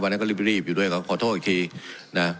วันนั้นก็รีบรีบรีบอยู่ด้วยกันขอโทษอีกทีนะ